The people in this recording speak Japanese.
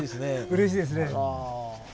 うれしいですね。